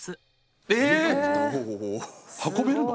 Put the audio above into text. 運べるの？